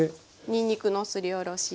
にんにくのすりおろし。